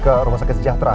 ke rumah sakit sejahtera